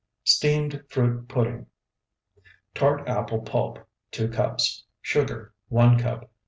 STEAMED FRUIT PUDDING Tart apple pulp, 2 cups. Sugar, 1 cup.